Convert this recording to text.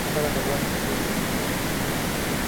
مؤثره تګلاره د پوهې مینه پیاوړې کوي.